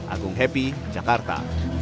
agung happy jakarta